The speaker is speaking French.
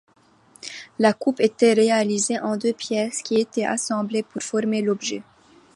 La coupe était réalisée en deux pièces, qui était assemblées pour former l’objet.